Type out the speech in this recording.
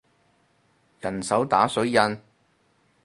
人手打水印